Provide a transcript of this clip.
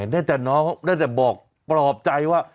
ได้แต่น้องได้แต่บอกปลอบใจว่า